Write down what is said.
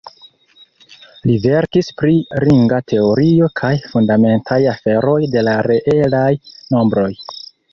Li verkis pri ringa teorio kaj fundamentaj aferoj de la reelaj nombroj.